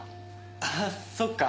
ああそっか。